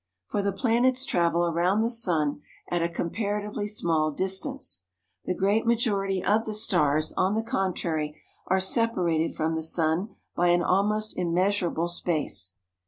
For the planets travel around the sun at a comparatively small distance. The great majority of the stars, on the contrary, are separated from the sun by an almost immeasurable space.